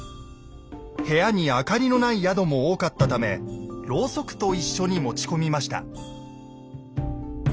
部屋に明かりのない宿も多かったためろうそくと一緒に持ち込みました。